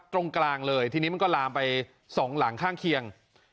ตรงกลางเลยทีนี้มันก็ลามไปสองหลังข้างเคียง